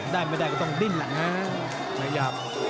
ได้ไม่ได้ก็ต้องดิ้นแหละ